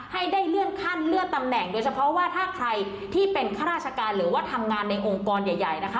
ให้ได้เลื่อนขั้นเลื่อนตำแหน่งโดยเฉพาะว่าถ้าใครที่เป็นข้าราชการหรือว่าทำงานในองค์กรใหญ่นะคะ